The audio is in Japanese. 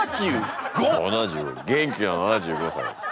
元気な７５歳。